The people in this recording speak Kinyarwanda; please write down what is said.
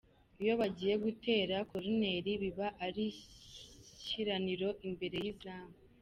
Iyo bagiye gutera koruneri biba ari ishiraniro imbere y'izamu.